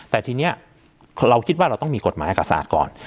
แต่ทีนี้เราคิดว่าเราต้องมีกฎหมายกษาก่อน